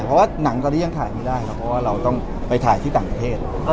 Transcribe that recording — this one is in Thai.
เพราะว่าหนังตอนนี้ยังถ่ายไม่ได้ครับเพราะว่าเราต้องไปถ่ายที่ต่างประเทศ